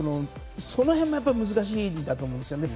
その辺も難しいんだと思うんですよね。